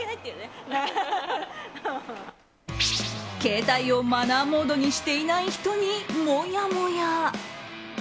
携帯をマナーモードにしていない人にもやもや。